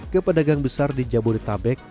ke pedagang besar di jabodetabek